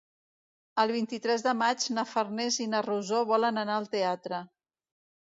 El vint-i-tres de maig na Farners i na Rosó volen anar al teatre.